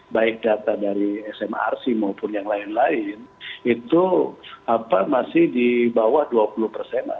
baik data dari smrc maupun yang lain lain itu masih di bawah dua puluh persen